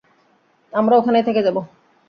আমরা ওখানেই থেকে যাবো।